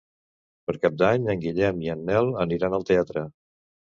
Per Cap d'Any en Guillem i en Nel aniran al teatre.